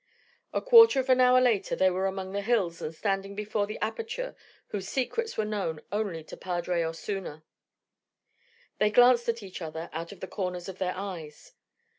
A quarter of an hour later they were among the hills and standing before the aperture whose secrets were known only to Padre Osuna. They glanced at each other out of the corners of their eyes.